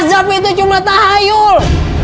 eh azab itu cuma tahayul